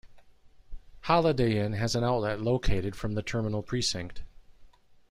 Holiday Inn has an outlet located from the terminal precinct.